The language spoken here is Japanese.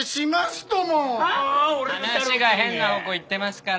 話が変な方向行ってますから。